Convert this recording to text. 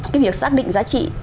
cái việc xác định giá trị